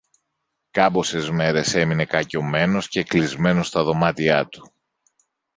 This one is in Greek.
Κάμποσες μέρες έμεινε κακιωμένος και κλεισμένος στα δωμάτιά του.